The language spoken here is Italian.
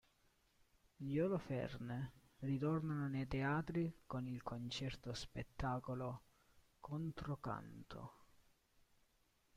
Gli Oloferne ritornano nei teatri con il concerto-spettacolo "Controcanto".